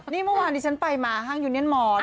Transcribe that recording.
นี่เมื่อวานที่ฉันไปมาห้างยูเนียนมอร์